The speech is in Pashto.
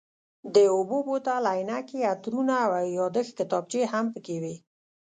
د اوبو بوتل، عینکې، عطرونه او یادښت کتابچې هم پکې وې.